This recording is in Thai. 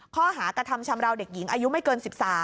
ข้อหากระทำชำราวเด็กหญิงอายุไม่เกิน๑๓